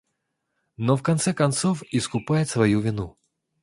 но в конце концов искупает свою вину.